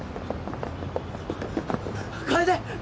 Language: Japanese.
楓！